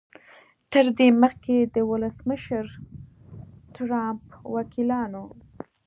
تر دې مخکې د ولسمشر ټرمپ وکیلانو